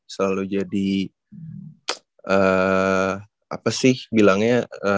selalu jadi apa sih bilangnya